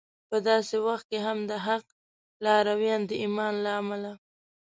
په داسې وخت کې هم د حق لارویان د ایمان له امله